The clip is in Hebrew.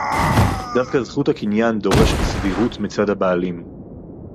דווקא זכות הקניין דורשת סבירות מצד הבעלים